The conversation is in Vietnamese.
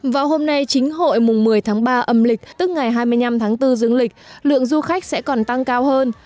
vào hôm nay chính hội mùng một mươi tháng ba âm lịch tức ngày hai mươi năm tháng bốn dương lịch lượng du khách sẽ còn tăng cao hơn